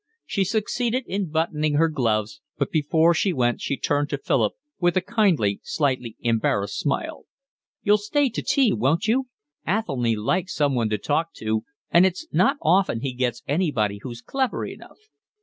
She succeeded in buttoning her gloves, but before she went she turned to Philip with a kindly, slightly embarrassed smile. "You'll stay to tea, won't you? Athelny likes someone to talk to, and it's not often he gets anybody who's clever enough."